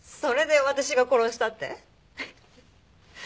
それで私が殺したって？